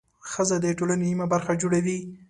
ښځه د ټولنې نیمه برخه جوړوي.